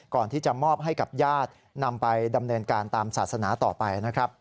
ก่อนที่จะมอบให้กับญาตินำไปดำเนินการตามศาสนาต่อไปนะครับ